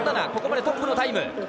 ここまでトップのタイム。